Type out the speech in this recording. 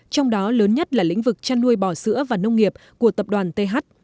trong đó lớn nhất là lĩnh vực chăn nuôi bò sữa và nông nghiệp của tập đoàn th